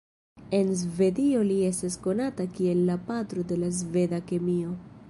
En Svedio li estas konata kiel la patro de la sveda kemio.